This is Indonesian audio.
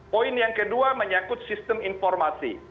poin yang kedua menyangkut sistem informasi